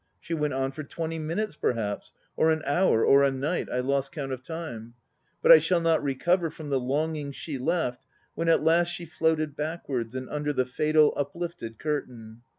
She went on for twenty minutes, perhaps, or an hour or a night; I lost count of time; but I shall not recover from the loncring she left when at last she floated backwards and under the fatal uplifted curtain.